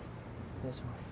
失礼します。